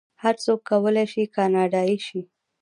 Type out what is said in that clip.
هر څوک کولی شي کاناډایی شي.